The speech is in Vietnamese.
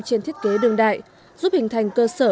trên thiết kế đường đại giúp hình thành cơ sở